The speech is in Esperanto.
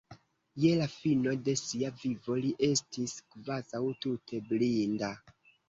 Je la fino de sia vivo li estis kvazaŭ tute blinda.